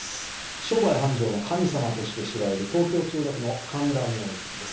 商売繁盛の神様として知られる東京・千代田区の神田明神です。